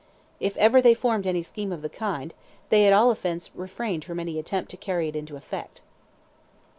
If ever they formed any scheme of the kind, they at all events refrained from any attempt to carry it into effect.